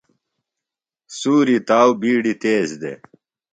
سُوری تاؤ بِیڈیۡ تیز دےۡ۔